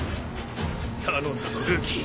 頼んだぞルーキー。